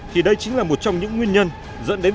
thì đây chính là một trong những nguyên nhân dẫn đến tình huống